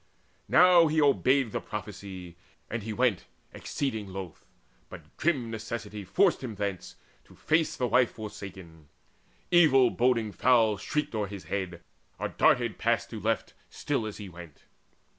Now he obeyed The prophecy, and he went exceeding loth, But grim necessity forced him thence, to face The wife forsaken. Evil boding fowl Shrieked o'er his head, or darted past to left, Still as he went.